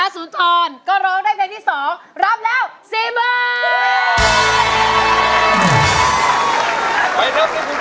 อยู่ที่คุณอยู่ที่หนึ่ง